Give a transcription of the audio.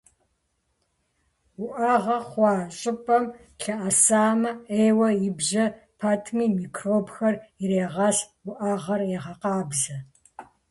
Уӏэгъэ хъуа щӏыпӏэм лъэӏэсамэ, ӏейуэ ибжьэ пэтми, микробхэр ирегъэс, уӏэгъэр егъэкъабзэ.